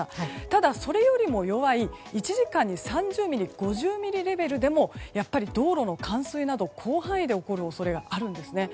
ただ、それよりも弱い１時間に３０ミリ５０ミリレベルでも道路の冠水など広範囲で起こる恐れがあるんですね。